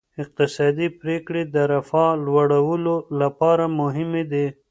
اقتصادي پریکړې د رفاه لوړولو لپاره مهمې دي.